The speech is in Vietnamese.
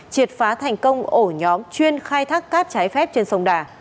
triệt phá thành công ổ nhóm chuyên khai thác cát trái phép trên sông đà